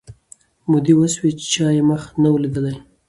مودې وسوې چا یې مخ نه وو لیدلی